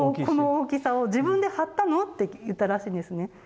「この大きさを自分で張ったの？」って言ったらしいんですね。